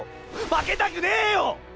負けたくねぇよ！